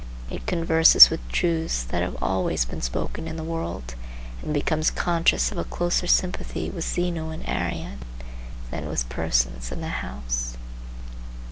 It converses with truths that have always been spoken in the world, and becomes conscious of a closer sympathy with Zeno and Arrian than with persons in the house.